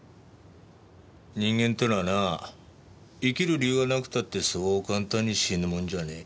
人間ってのはな生きる理由がなくたってそう簡単に死ぬもんじゃねえ。